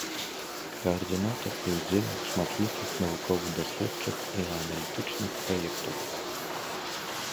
Каардынатар і ўдзельнік шматлікіх навукова-даследчых і аналітычных праектаў.